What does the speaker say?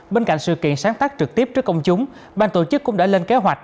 bên cạnh sự kiện sáng tác trực tiếp trước công chúng bang tổ chức cũng đã lên kế hoạch